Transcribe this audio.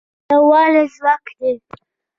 یووالی ځواک دی